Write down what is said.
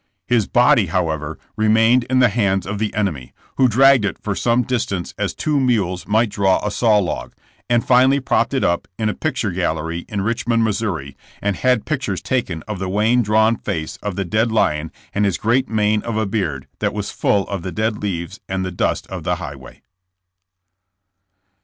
His body, however, remained in the hands of the enemy, who dragged it for some distance as two mules might draw a saw log, and finally propped it up in a picture gallery in Richmond, Mo., and had pictures taken of the wan, drawn face of the dead lion and his great mane of a beard that was full of the dead leaves and the dust of the highway."